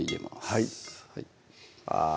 はいあぁ